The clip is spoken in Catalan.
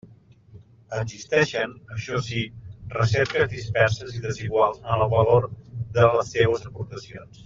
Existeixen, això sí, recerques disperses i desiguals en el valor de les seues aportacions.